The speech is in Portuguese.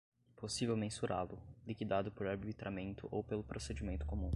possível mensurá-lo, liquidado por arbitramento ou pelo procedimento comum